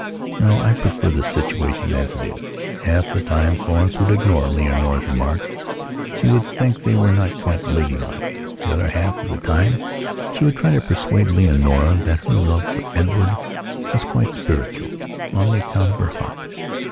No. I prefer the situation as it is." Half the time Florence would ignore Leonora's remarks. She would think they were not quite ladylike. The other half of the time she would try to persuade Leonora that her love for Edward was quite spiritualon account of her heart.